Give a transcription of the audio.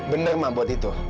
bener ma buat itu